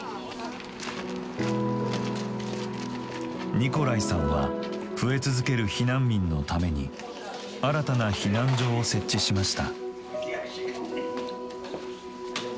ニコライさんは増え続ける避難民のために新たな避難所を設置しました。